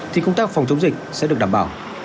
thì công tác phòng chống dịch sẽ được đảm bảo